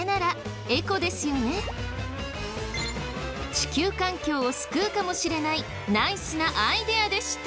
地球環境を救うかもしれないナイスなアイデアでした！